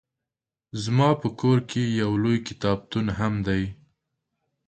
زما په کور کې يو لوی کتابتون هم دی